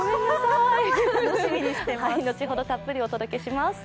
のちほどたっぷりお届けします。